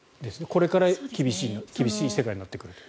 これから厳しい世界になってくると。